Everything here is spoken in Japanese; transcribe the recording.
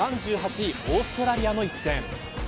３８位オーストラリアの一戦。